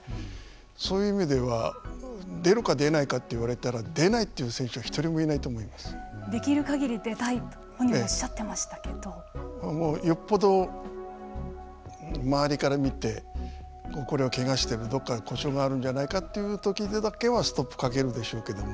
そういう意味では出るか出ないかと言われたら出ないという選手はできる限り出たいとよっぽど周りから見てこれはけがしてるどこか故障があるんじゃないかというときだけはストップをかけるでしょうけれども。